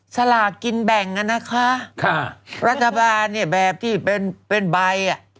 สลากินแบ่งน่ะนะคะรัฐบาลแบบที่เป็นใบ